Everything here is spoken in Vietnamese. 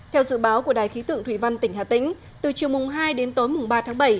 theo dự báo của đài khí tượng thủy văn tỉnh hà tĩnh từ chiều mùng hai đến tối mùng ba tháng bảy